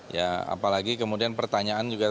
ya apalagi kemudian pertanyaan juga